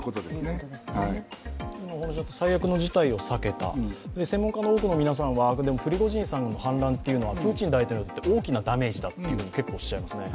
最悪の事態を避けた専門家の多くの皆さんはプリゴジン氏の反乱というのはプーチン大統領にとって大きなダメージだとおっしゃいますね。